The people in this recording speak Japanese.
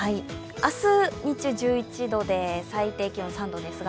明日日中１１度で最低気温３度ですが